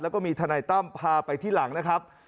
แล้วก็มีทนายตั้มพาไปที่หลังนะครับ